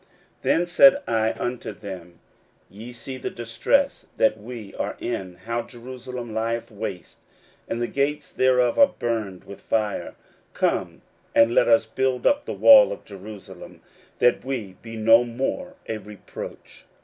16:002:017 Then said I unto them, Ye see the distress that we are in, how Jerusalem lieth waste, and the gates thereof are burned with fire: come, and let us build up the wall of Jerusalem, that we be no more a reproach.